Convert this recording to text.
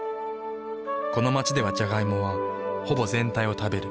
この街ではジャガイモはほぼ全体を食べる。